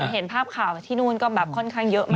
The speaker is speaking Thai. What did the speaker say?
เห็นภาพข่าวที่นู่นก็แบบค่อนข้างเยอะมาก